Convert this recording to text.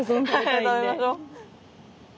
食べましょう。